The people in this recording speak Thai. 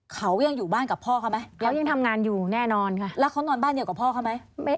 เขายังอยู่บ้านกับพ่อเขาไหมแล้วยังทำงานอยู่แน่นอนค่ะแล้วเขานอนบ้านเดียวกับพ่อเขาไหม